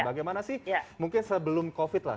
bagaimana sih mungkin sebelum covid lah